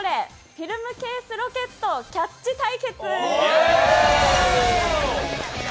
フィルムケースロケットキャッチ対決！